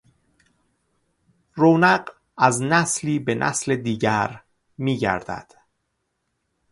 رونق از نسلی به نسل دیگر میگردد.